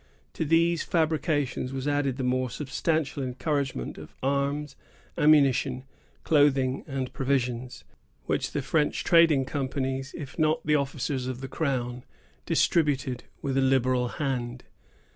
To these fabrications was added the more substantial encouragement of arms, ammunition, clothing, and provisions, which the French trading companies, if not the officers of the crown, distributed with a liberal hand.